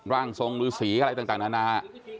ร่างทรงฤษีอะไรต่างนานา